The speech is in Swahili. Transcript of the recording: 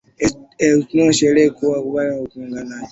Eunoto sherehe ya kubalehe kwa mpiganaji